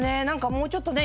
もうちょっとね